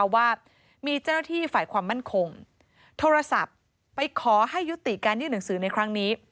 ว่ามีเจ้าหน้าที่ฝ่ายความมั่นคงโทรศัพท์ไปขอให้ยุติการยื่นหนังสือในครั้งนี้